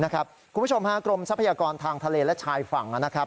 คุณผู้ชมฮะกรมทรัพยากรทางทะเลและชายฝั่งนะครับ